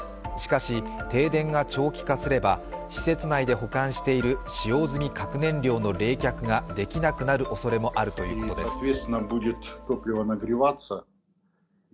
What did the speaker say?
しかし停電が長期化すれば施設内で保管している使用済み核燃料の冷却ができなくなるおそれもあるということです。